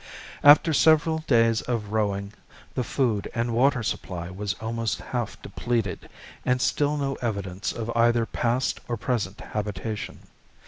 After several days of rowing, the food and water supply was almost half depleted and still no evidence of either past or present habitation.